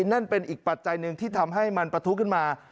นั่นเป็นอีกปัจจัยหนึ่งที่ทำให้มันประทุขึ้นมา